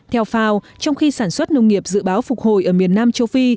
theo fao trong khi sản xuất nông nghiệp dự báo phục hồi ở miền nam châu phi